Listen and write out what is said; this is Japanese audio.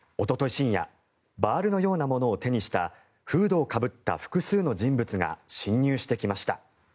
深夜バールのようなものを手にしたフードをかぶった複数の人物が侵入してきました。